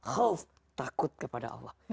khawf takut kepada allah